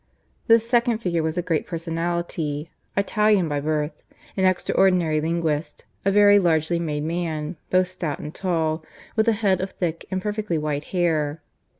This second figure was a great personality Italian by birth, an extraordinary linguist, a very largely made man, both stout and tall, with a head of thick and perfectly white hair.